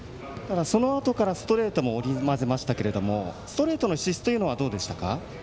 そのあとからストレートも織り交ぜましたけどもストレートの質というのはどうでしたか。